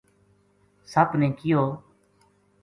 سپ نے کہیو